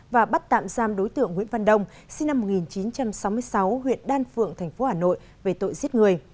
và bắt tạm giam đối tượng nguyễn văn đông sinh năm một nghìn chín trăm sáu mươi sáu huyện đan phượng tp hà nội về tội giết người